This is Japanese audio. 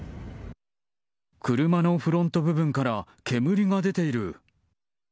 車のフロント部分から煙が出ている。